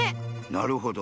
なるほど。